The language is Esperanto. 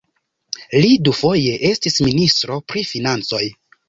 Li dufoje estis ministro pri financoj.